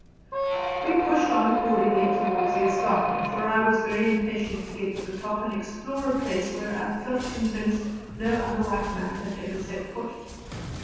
We pushed on, accordingly, towards the escarpment, for I was very impatient to get to the top and explore a place where I felt convinced no other white man had ever set foot.